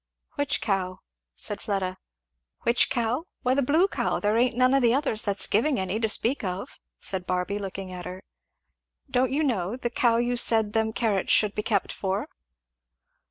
"Which cow?" said Fleda. "Which cow? why the blue cow there ain't none of the others that's giving any, to speak of," said Barby looking at her. "Don't you know, the cow you said them carrots should be kept for?"